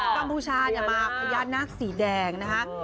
กัมพูชาประญาตินักสีแดง